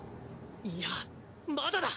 いやまだだ！